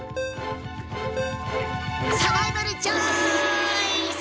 サバイバルチョイス！